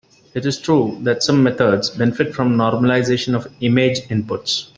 It is true that some methods benefit from normalization of image inputs.